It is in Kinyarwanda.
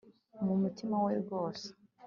nu mutima we wose